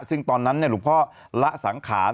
ซึ่งตอนนั้นหลวงพ่อละสังขาร